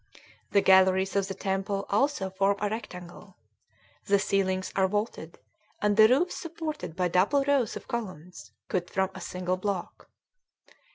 The galleries of the temple also form a rectangle. The ceilings are vaulted, and the roofs supported by double rows of columns, cut from a single block.